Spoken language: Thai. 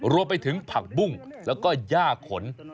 รวมไปถึงผักบุ้งแล้วก็ย่าขน